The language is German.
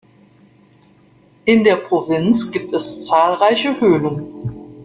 In der Provinz gibt es zahlreiche Höhlen.